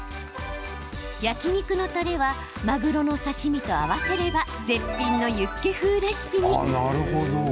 焼き肉のたれはマグロの刺身と合わせれば絶品のユッケ風レシピに。